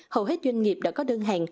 hầu hết doanh nghiệp đã có đơn hàng